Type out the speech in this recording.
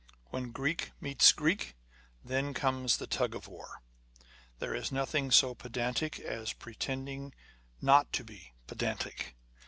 " When Greek meets Greek, then comes the tug of war." There is nothing so pedantic as pretending not to be pedantic.